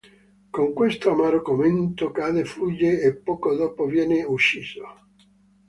Con questo amaro commento, Cade fugge e poco dopo viene ucciso.